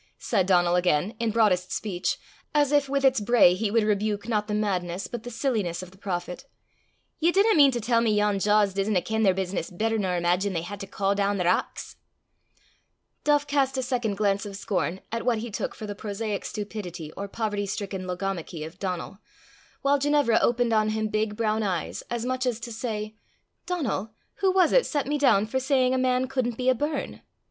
said Donal again, in broadest speech, as if with its bray he would rebuke not the madness but the silliness of the prophet, "ye dinna mean to tell me yon jaws (billows) disna ken their business better nor imaigine they hae to caw doon the rocks?" Duff cast a second glance of scorn at what he took for the prosaic stupidity or poverty stricken logomachy of Donal, while Ginevra opened on him big brown eyes, as much as to say, "Donal, who was it set me down for saying a man couldn't be a burn?"